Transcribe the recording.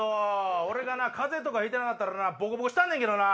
俺がな風邪とかひいてなかったらボコボコにしたんねんけどな！